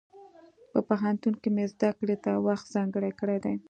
په پوهنتون کې مې زده کړې ته وخت ځانګړی کړی دی.